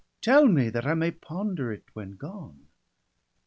Tell me, that I may ponder it when gone.'